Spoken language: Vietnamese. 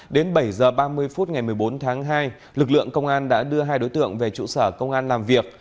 đến bảy h ba mươi phút ngày một mươi bốn tháng hai lực lượng công an đã đưa hai đối tượng về trụ sở công an làm việc